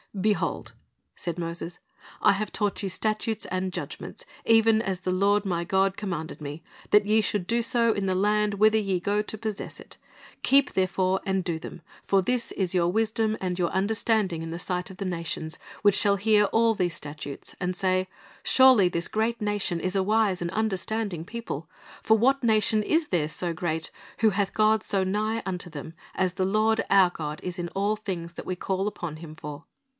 "Behold," said Moses, "I have taught you statutes and judgments, even as the Lord my God commanded me, that ye should do so in the land whither ye go to possess it. Keep therefore and do them; for this is your wisdom and 19 1 Deut. 7 :6, 9, 11 15 290 Christ's Object Lessons your understanding in the sight of the nations, which shall hear all tiiese statutes, and say, Surely this great nation is a wise and understanding people. For what nation is there so great, who hath God so nigh unto them, as the Lord our God is in all things that we call upon Him for?